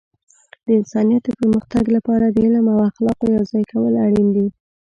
د انسانیت د پرمختګ لپاره د علم او اخلاقو یوځای کول اړین دي.